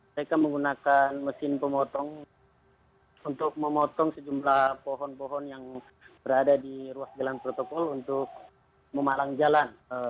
mereka menggunakan mesin pemotong untuk memotong sejumlah pohon pohon yang berada di ruas jalan protokol untuk memalang jalan